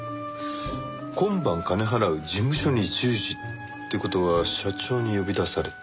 「今晩金払う事務所に十時」って事は社長に呼び出された。